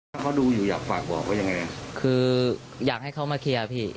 ถ้าเขาดูอยู่อยากฝากบอกว่ายังไงคืออยากให้เขามาเคลียร์พี่